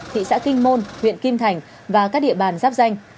thị xã kinh môn huyện kim thành và các địa bàn giáp danh